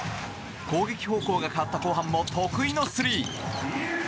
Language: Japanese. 攻撃方向が変わった後半も得意のスリー。